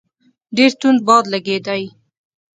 ډېر توند باد لګېدی.